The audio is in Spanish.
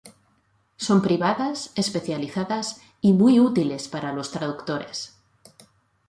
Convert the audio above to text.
Son privadas, especializadas y muy útiles para los traductores.